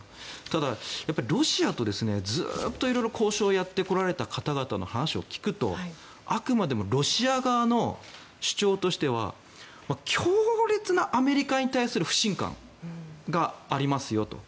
ただ、ロシアとずっと色々交渉をやってこられた方々の話を聞くとあくまでもロシア側の主張としては強烈なアメリカに対する不信感がありますよと。